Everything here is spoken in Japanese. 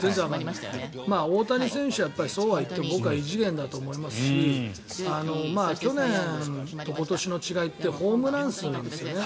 大谷選手は、そうはいっても僕は異次元だと思いますし去年と今年の違いってホームラン数なんですよね。